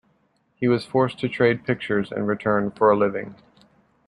He was forced to trade pictures in return for a living.